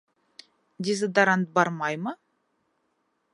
Дезодорант бармаймы?